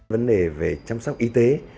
vấn đề về chăm sóc y tế